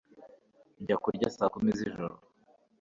Njya kuryama saa kumi zijoro